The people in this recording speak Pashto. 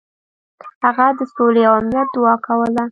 هغه د سولې او امنیت دعا کوله.